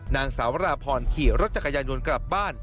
นางสาวราพรขี่รถจักรยานยนต์กลับบ้าน